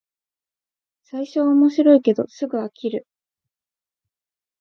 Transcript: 最初は面白いけどすぐ飽きる